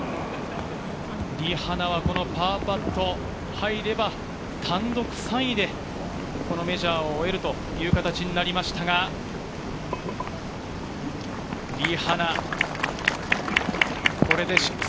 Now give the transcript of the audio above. リ・ハナはこのパーパット入れば、単独３位でこのメジャーを終えるという形になりましたが、リ・ハナ、これで＋６。